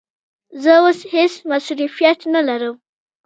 زه اوس هیڅ مصروفیت نه لرم.